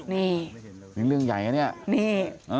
นี่เรื่องใหญ่นะนี่